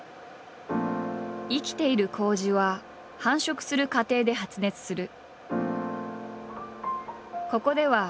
生きているこうじは繁殖する過程で発熱する。